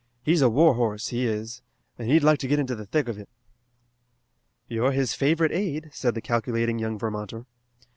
"He's a war horse, he is, and he'd like to get into the thick of it." "You're his favorite aide," said the calculating young Vermonter.